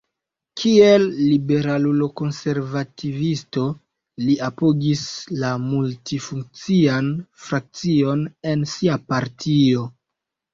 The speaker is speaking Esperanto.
Kiel liberalulo-konservativisto li apogis la multi-konfesian frakcion en sia partio.